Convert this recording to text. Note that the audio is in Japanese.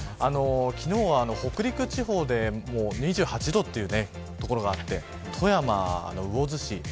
昨日は北陸地方で２８度という所があって富山の魚津市。